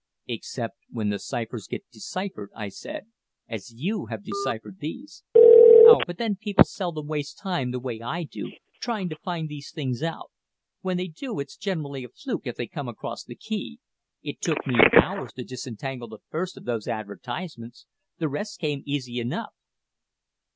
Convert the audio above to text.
"Except when the cyphers get deciphered," I said, "as you have deciphered these." "Oh, but then people seldom waste time the way I do, trying to find these things out; when they do it's generally a fluke if they come across the key. It took me hours to disentangle the first of those advertisements the rest came easy enough."